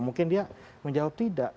mungkin dia menjawab tidak